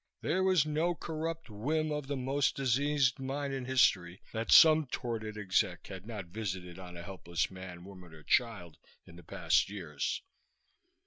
There was no corrupt whim of the most diseased mind in history that some torpid exec had not visited on a helpless man, woman or child in the past years.